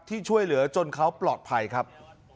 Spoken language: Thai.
ที่ช่วยเหลือจนเขาปลอดภัยครับ